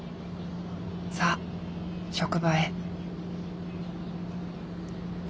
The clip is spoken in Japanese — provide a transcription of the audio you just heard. さあ職場へ。